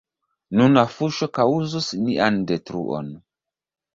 Nuna fuŝo kaŭzus nian detruon.